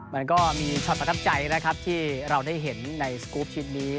มันก็มีช็อตประทับใจนะครับที่เราได้เห็นในสกรูปชิ้นนี้